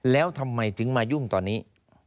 แล้วทำไมถึงมายุ่งตอนนี้